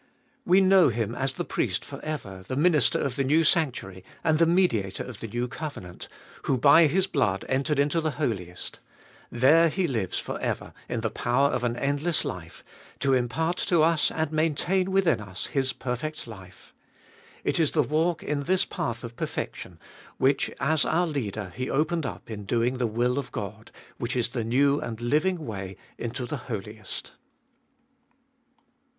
We know Him as the Priest for ever, the Minister of the new sanctuary, and the Mediator of the new covenant, who by His blood entered into the Holiest ; there He lives for ever, in the power of an endless life, to impart to us and maintain within us His perfect life. It is the walk in this path of perfection, which as our Leader He opened up in doing the will of God, which is the new and living way into the Holiest.